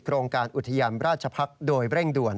โรงการอุทยานราชพักษ์โดยเร่งด่วน